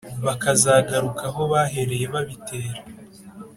bakazagaruka aho bahereye babitera